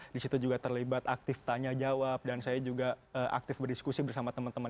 di situ juga terlibat aktif tanya jawab dan saya juga aktif berdiskusi bersama teman teman